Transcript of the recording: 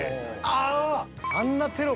ああ！